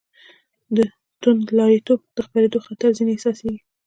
د توندلاریتوب د خپرېدو خطر ځنې احساسېږي.